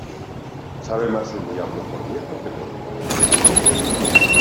Sabe mas el diablo por viejo, que por diablo.